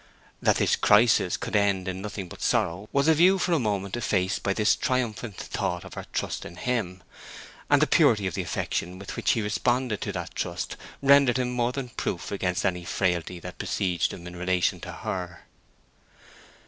That this crisis could end in nothing but sorrow was a view for a moment effaced by this triumphant thought of her trust in him; and the purity of the affection with which he responded to that trust rendered him more than proof against any frailty that besieged him in relation to her.